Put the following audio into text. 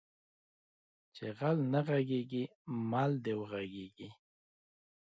چې غل نه غېړيږي مل د وغړيږي